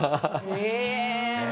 へえ！